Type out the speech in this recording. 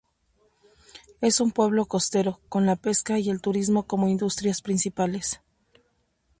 Es un pueblo costero, con la pesca y el turismo como industrias principales.